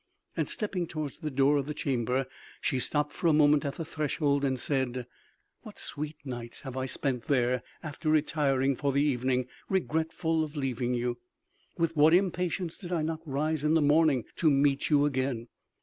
And stepping towards the door of the chamber, she stopped for a moment at the threshold and said: "What sweet nights have I spent there after retiring for the evening, regretful of leaving you! With what impatience did I not rise in the morning to meet you again!"